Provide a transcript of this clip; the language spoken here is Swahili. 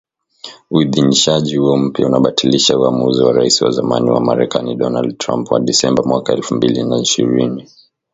Uidhinishaji huo mpya unabatilisha uamuzi wa Rais wa zamani wa Marekani Donald Trump wa Disemba mwaka elfu mbili na ishirini